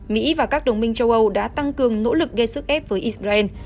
mỹ và các đồng minh châu âu đã tăng cường nỗ lực gây sức ép với israel